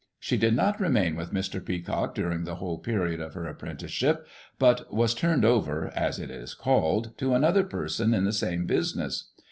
She did not remain with Mr. Peacock during the whole period of her apprentice ship, but was ' turned over,' as it is called, to another person in the same business.